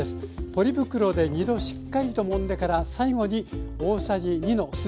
ポリ袋で２度しっかりともんでから最後に大さじ２の酢で味を付けます。